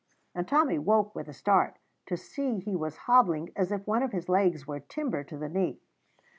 And Tommy woke with a start, to see that he was hobbling as if one of his legs were timber to the knee.